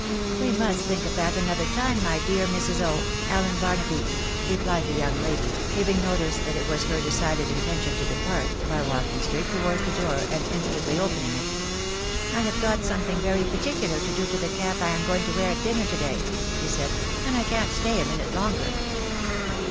" We must think of that another time, my dear Mrs. O — AUen Barnaby," rephed the young lady, giving notice that it was her decided intention to depart, by walking straight towards the door, and instantly opening it. " I have got something very particular to do to the cap I am going to wear at dinner to day," she said, " and I can't stay a minute longer."